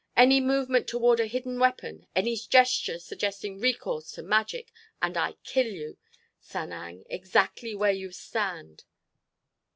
"Any movement toward a hidden weapon, any gesture suggesting recourse to magic—and I kill you, Sanang, exactly where you stand!"